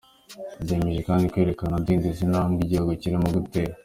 Biyemeje kandi kwerekana udindiza intambwe igihugu kirimo gutera.